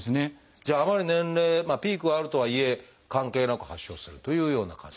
じゃああまり年齢ピークはあるとはいえ関係なく発症するというような感じ。